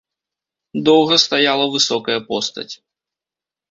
Доўга стаяла высокая постаць.